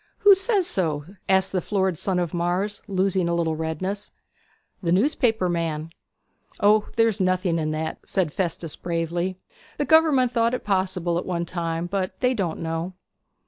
'Who says so?' asked the florid son of Mars, losing a little redness. 'The newspaper man.' 'O, there's nothing in that,' said Festus bravely. 'The gover'ment thought it possible at one time; but they don't know.'